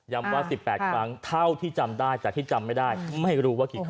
ว่า๑๘ครั้งเท่าที่จำได้แต่ที่จำไม่ได้ไม่รู้ว่ากี่ครั้ง